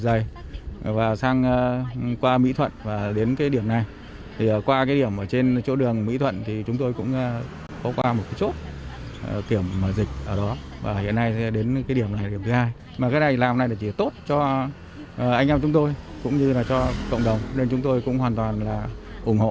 anh em chúng tôi cũng như là cho cộng đồng nên chúng tôi cũng hoàn toàn là ủng hộ